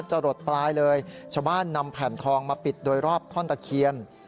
หลดปลายเลยชาวบ้านนำแผ่นทองมาปิดโดยรอบท่อนตะเคียน